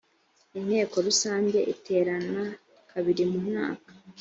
inteko rusange iterana kabiri mu mwaka